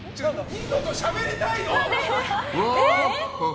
ニノとしゃべりたいの！